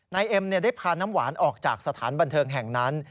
เอ็มได้พาน้ำหวานออกจากสถานบันเทิงแห่งนั้น